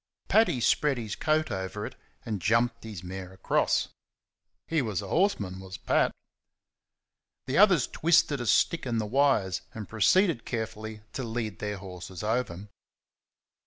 Paddy spread his coat over it and jumped his mare across. He was a horseman, was Pat. The others twisted a stick in the wires, and proceeded carefully to lead their horses over.